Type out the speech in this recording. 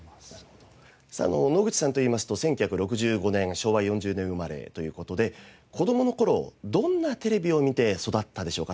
さあ野口さんといいますと１９６５年昭和４０年生まれという事で子供の頃どんなテレビを見て育ったでしょうか？